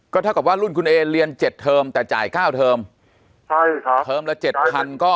ก็ถ้าเกิดว่ารุ่นคุณเอเรียน๗เทอมแต่จ่าย๙เทอมใช่ครับเทอมละ๗๐๐๐ก็๖คนละ๖๓๐๐๐